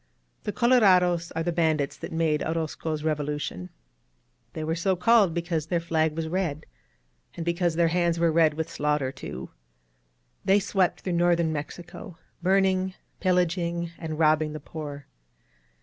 The colorados are the bandits that made Orozco's revolution. They were so called because their flag was red, and because their 59 INSURGENT MEXICO hands were red with slaughter, too. They swept through Northern Mexico, burning, pillaging and rob bing the poor.